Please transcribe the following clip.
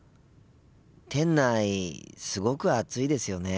店内すごく暑いですよね。